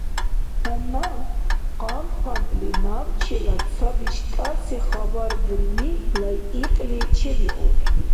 Гьанна къантӀ-къантӀли набчила ца биштӀаси хабар бурни лайикьли чебиулра.